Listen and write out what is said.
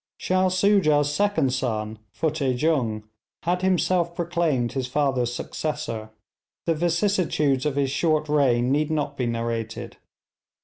Shah Soojah's second son Futteh Jung had himself proclaimed his father's successor. The vicissitudes of his short reign need not be narrated.